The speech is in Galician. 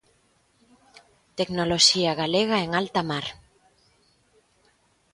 Tecnoloxía galega en alta mar.